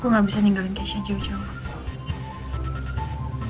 gue gak bisa ninggalin keisha jauh jauh